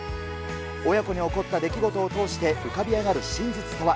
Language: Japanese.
親子に起こった出来事を通して浮かび上がる真実とは。